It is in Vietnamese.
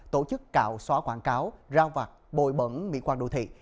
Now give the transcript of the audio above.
tổ chức cạo xóa quảng cáo rao vặt bồi bẩn mỹ quan đô thị